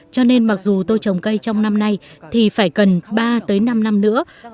cho nên mặc dù tôi trồng cây trong năm nay thì phải cần ba tới năm năm nữa mới thay đổi